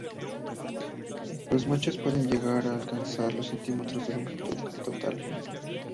Los machos pueden llegar alcanzar los cm de longitud total.